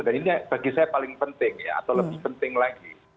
dan ini bagi saya paling penting ya atau lebih penting lagi